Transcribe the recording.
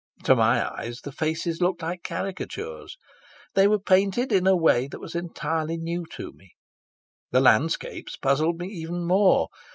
To my eyes the faces looked like caricatures. They were painted in a way that was entirely new to me. The landscapes puzzled me even more.